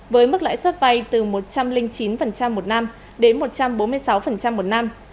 với mức lãi suất vay từ một trăm linh chín một năm đến một trăm bốn mươi sáu một năm